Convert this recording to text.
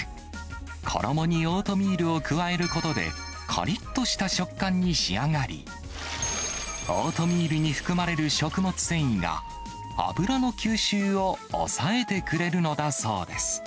衣にオートミールを加えることで、かりっとした食感に仕上がり、オートミールに含まれる食物繊維が、油の吸収を抑えてくれるのだそうです。